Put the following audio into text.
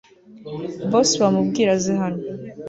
boss bamubwire aze hano